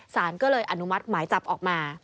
สารก็เลยอนุมัติหมายจับออกมา